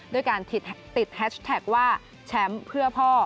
ด้วยการติดแฮชแท็กว่าแชมป์เพื่อพ่อ